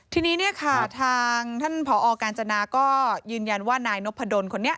ทีนี้เนี่ยค่ะทางท่านผอกาญจนาก็ยืนยันว่านายนพดลคนนี้